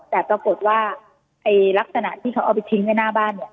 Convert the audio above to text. แต่ปรากฏว่าไอ้ลักษณะที่เขาเอาไปทิ้งไว้หน้าบ้านเนี่ย